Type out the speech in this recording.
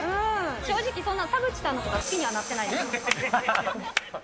正直、そんな田渕さんのことは好きにはなってないです。